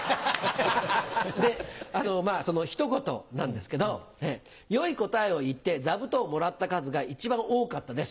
まぁ一言なんですけど「良い答えを言ってざぶとんをもらった数が一番多かったです。